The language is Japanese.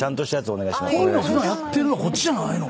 こういうの普段やってるのこっちじゃないの？